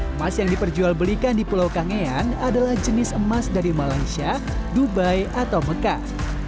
emas yang diperjual belikan di pulau kangean adalah jenis emas dari malaysia dubai atau mekah